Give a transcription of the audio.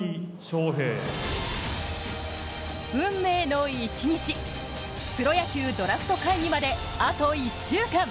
運命の一日、プロ野球ドラフト会議まであと１週間。